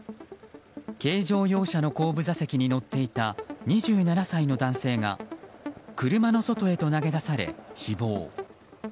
軽乗用車の後部座席に乗っていた２７歳の男性が車の外へと投げ出され、死亡。